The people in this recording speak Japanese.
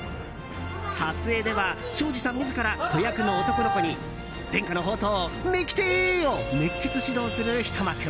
撮影では、庄司さん自ら子役の男の子に伝家の宝刀、ミキティ！を熱血指導するひと幕も。